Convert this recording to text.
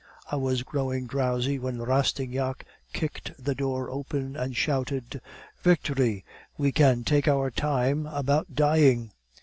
I was growing drowsy when Rastignac kicked the door open and shouted: "'Victory! Now we can take our time about dying.